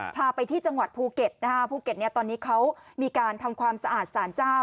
พาไปที่จังหวัดภูเก็ตนะฮะภูเก็ตเนี่ยตอนนี้เขามีการทำความสะอาดสารเจ้า